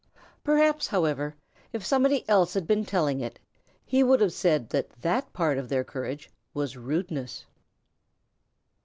Perhaps, however, if somebody else had been telling it, he would have said that part of their courage was rudeness.